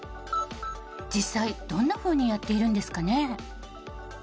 実際どんなふうにやっているんですかね？